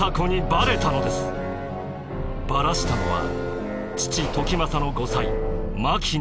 バラしたのは父時政の後妻牧の方。